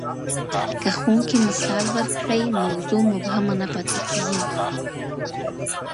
که ښوونکی مثال ورکړي، موضوع مبهمه نه پاتې کېږي.